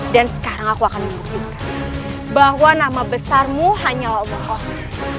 dan sekarang aku akan mengumumkan bahwa nama besarmu hanyalah umurmu